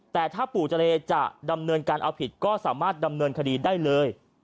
แต่ถ้าปู่เจรจะดำเนินการเอาผิดก็สามารถดำเนินคดีได้เลย